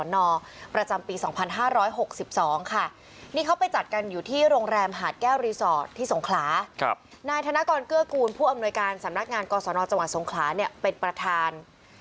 นี้เขาไปจัดกันอยู่ที่โรงแรมหาดแก้วรีสอร์ตที่สงขลานายธนกรเกื้อกูลผู้อำนวยการสำนักงานก่อสนจังหวัดสงขลาเป็นประธาน